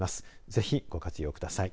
ぜひ、ご活用ください。